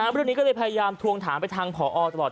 เรื่องนี้ก็เลยพยายามทวงถามไปทางผอตลอด